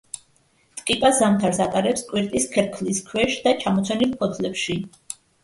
ტკიპა ზამთარს ატარებს კვირტის ქერქლის ქვეშ და ჩამოცვენილ ფოთლებში.